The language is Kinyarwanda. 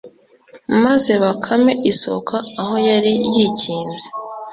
maze Bakame isohoka aho yari yikinze